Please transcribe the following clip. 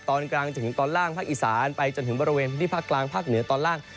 ตอนกลางจนถึงตอนล่างภาคอีสานไปจนถึงบริเวณพื้นที่ภาคกลางภาคเหนือตอนล่าง